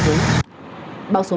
hướng dẫn là đảm bảo